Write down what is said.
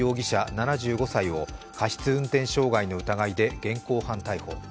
７５歳を過失運転傷害の疑いで現行犯逮捕。